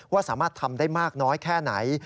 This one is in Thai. ว่าสามารถทำได้มากน้อยแค่ไหน